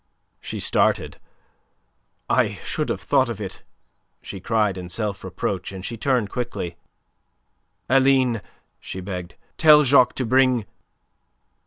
She started. "I should have thought of it!" she cried in self reproach, and she turned quickly. "Aline," she begged, "tell Jacques to bring..."